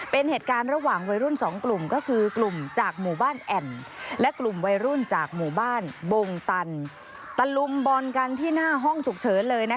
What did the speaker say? เป็นเหตุการณ์ระหว่างวัยรุ่นสองกลุ่มก็คือกลุ่มจากหมู่บ้านแอ่นและกลุ่มวัยรุ่นจากหมู่บ้านบงตันตะลุมบอลกันที่หน้าห้องฉุกเฉินเลย